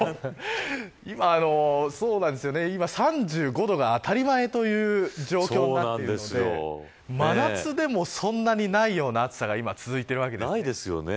今、３５度が当たり前という状況になっているので真夏でも、そんなにないような暑さが今、続いているわけです。